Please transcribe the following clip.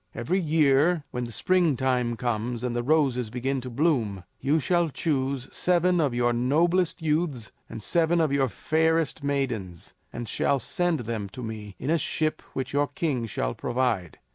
Every year when the springtime comes and the roses begin to bloom, you shall choose seven of your noblest youths and seven of your fairest maidens, and shall send them to me in a ship which your king shall provide.